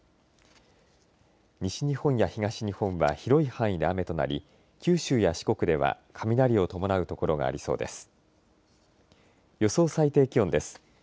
西日本や東日本は広い範囲で雨となり九州や四国では雷を伴う所がありそうです。